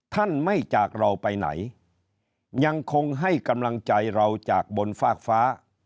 ท่านไม่จากเราไปไหนยังคงให้กำลังใจเราจากบนฟากฟ้า